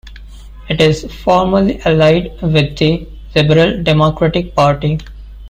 It is formally allied with the Liberal Democratic Party.